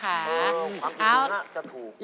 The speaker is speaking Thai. ความน้ำมันห้าจะถูก